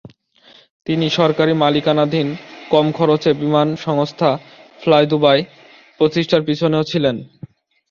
তিনি সরকারি মালিকানাধীন কম খরচের বিমান সংস্থা ফ্লাইদুবাই প্রতিষ্ঠার পিছনেও ছিলেন।